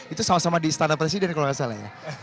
itu sama sama di istana presiden kalau nggak salah ya